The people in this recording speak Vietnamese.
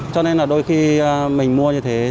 cho nên là đôi khi mình mua như thế